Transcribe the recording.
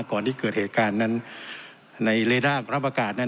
ก่อนที่เกิดเหตุการณ์นั้นในเลด้ารับอากาศนั้น